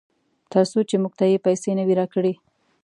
ترڅو چې موږ ته یې پیسې نه وي راکړې.